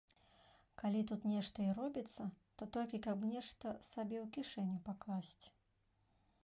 Калі тут нешта і робіцца, то толькі, каб нешта сабе ў кішэню пакласці.